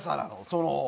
その。